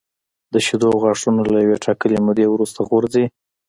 د شېدو غاښونه له یوې ټاکلې مودې وروسته غورځي.